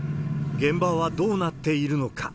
現場はどうなっているのか。